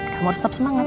kamu harus tetap semangat